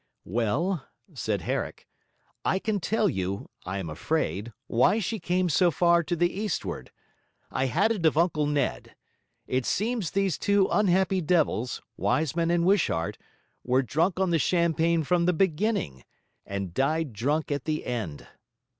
'Well,' said Herrick, 'I can tell you (I am afraid) why she came so far to the eastward. I had it of Uncle Ned. It seems these two unhappy devils, Wiseman and Wishart, were drunk on the champagne from the beginning and died drunk at the end.'